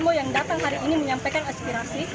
semua yang datang hari ini menyampaikan aspirasi